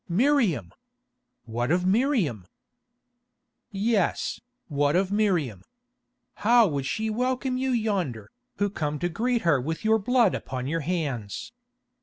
"Miriam! What of Miriam?" "Yes, what of Miriam? How would she welcome you yonder, who come to greet her with your blood upon your hands?